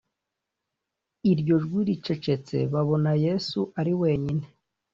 Iryo jwi ricecetse babona Yesu ari wenyine